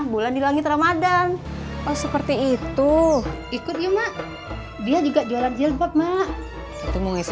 bulan di langit ramadhan oh seperti itu ikut ya mak dia juga jualan jilbab mak itu mau ngisi